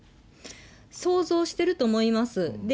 想像してると思います。